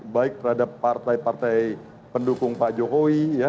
baik terhadap partai partai pendukung pak jokowi ya